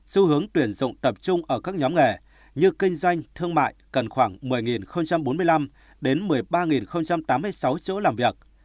xu hướng tuyển dụng tập trung ở các nhóm nghề như kinh doanh thương mại cần khoảng một mươi bốn mươi năm đến một mươi ba tám mươi sáu chỗ làm việc